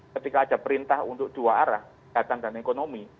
ketika ada perintah untuk dua arah kesehatan dan ekonomi